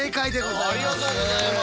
ありがとうございます。